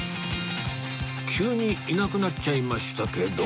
急にいなくなっちゃいましたけど